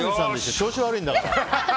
調子悪いんだから。